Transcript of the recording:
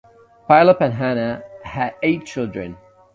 Pylyp and Hanna had eight children.